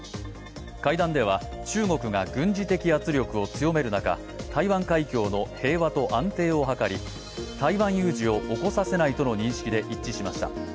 会談では中国が軍事的圧力を強める中、台湾海峡の平和と安定を図り、台湾有事を起こさせないとの認識で一致しました。